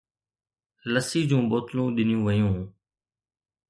لسي جون بوتلون ڏنيون ويون.